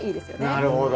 なるほど。